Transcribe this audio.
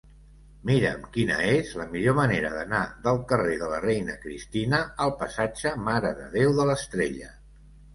Mira'm quina és la millor manera d'anar del carrer de la Reina Cristina al passatge Mare de Déu de l'Estrella.